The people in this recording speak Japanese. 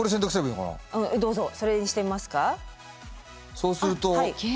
そうすると。